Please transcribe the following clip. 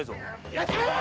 やっちまえ！